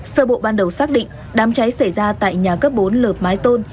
sơ bộ ban đầu xác định đám cháy xảy ra tại nhà cấp bốn lợp mái tôn